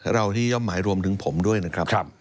เราที่ย่อมหมายรวมถึงผมด้วยนะครับ